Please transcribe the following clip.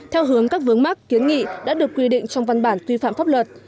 theo hướng các vướng mắc kiến nghị đã được quy định trong văn bản quy phạm pháp luật